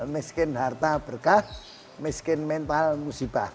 miskin harta berkah miskin mental musibah